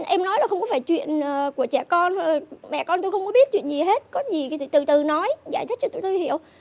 em nói là không phải chuyện của trẻ con thôi mẹ con tôi không biết chuyện gì hết có gì thì từ từ nói giải thích cho tôi hiểu